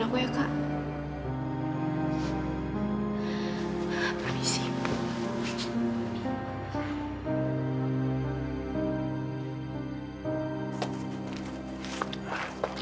kakak pasti akan mendapatkan pengganti aku